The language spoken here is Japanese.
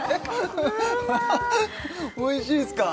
おいしいっすか？